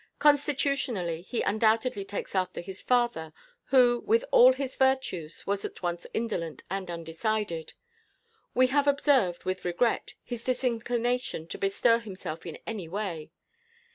Constitutionally, he undoubtedly takes after his father, who, with all his virtues, was at once indolent and undecided. We have observed, with regret, his disinclination to bestir himself in any way.